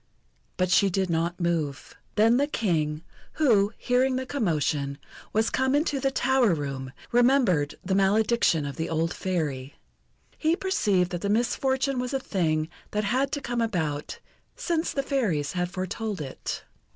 But she did not move. Then the King, who, hearing the commotion, was come into the tower room, remembered the malediction of the old Fairy. He perceived that the misfortune was a thing that had to come about, since the Fairies had foretold it.